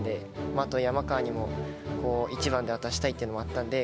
あと、山川にも一番で渡したいっていうのもあったんで。